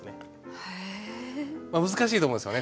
難しいと思いますよね。